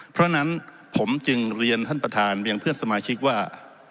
เพราะฉะนั้นผมจึงเรียนท่านประธานไปยังเพื่อนสมาชิกว่า